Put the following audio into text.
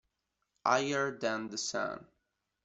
Higher Than the Sun